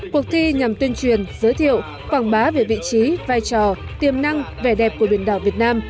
cuộc thi nhằm tuyên truyền giới thiệu quảng bá về vị trí vai trò tiềm năng vẻ đẹp của biển đảo việt nam